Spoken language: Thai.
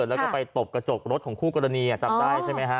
แล้วก็ไปตบกระจกรถของคู่กรณีจำได้ใช่ไหมฮะ